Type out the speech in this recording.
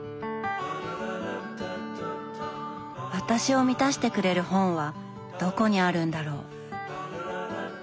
私を満たしてくれる本はどこにあるんだろう。